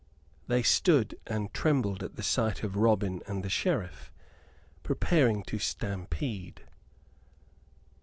They stood and trembled at sight of Robin and the Sheriff, preparing to stampede.